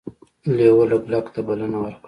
لیوه لګلګ ته بلنه ورکړه.